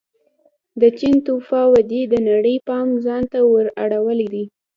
د چین توفا ودې د نړۍ پام ځان ته ور اړولی دی.